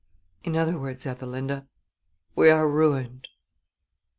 In other words, Ethelinda, we are ruined."